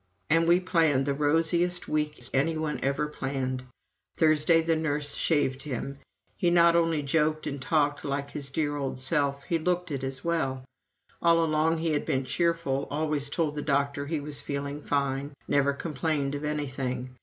And we planned the rosiest weeks any one ever planned. Thursday the nurse shaved him he not only joked and talked like his dear old self he looked it as well. (All along he had been cheerful always told the doctor he was "feeling fine"; never complained of anything.